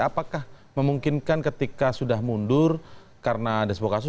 apakah memungkinkan ketika sudah mundur karena ada sebuah kasus